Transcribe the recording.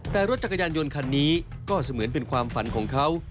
แต่รถจักรยานยนต์คันนี้ก็เสมือนเป็นความฝันของเขา